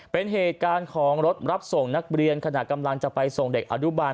เป็นเหตุการณ์ของรถรับส่งนักเรียนขณะกำลังจะไปส่งเด็กอนุบาล